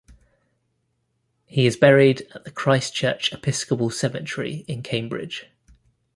He is buried at the Christ Church Episcopal Cemetery in Cambridge.